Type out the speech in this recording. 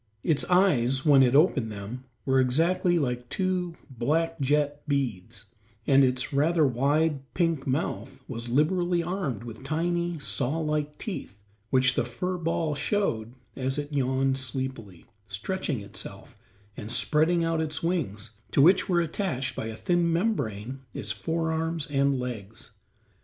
Its eyes, when it opened them, were exactly like two black jet beads, and its rather wide, pink mouth was liberally armed with tiny, saw like teeth, which the fur ball showed as it yawned sleepily, stretching itself, and spreading out its wings, to which were attached by a thin membrance its forearms and legs.